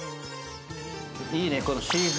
いいね。